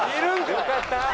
「よかった」